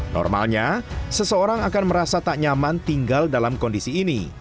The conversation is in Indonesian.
normalnya seseorang akan merasa tak nyaman tinggal dalam kondisi ini